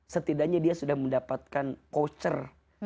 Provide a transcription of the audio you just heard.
setidaknya dia sudah mendapatkan kocer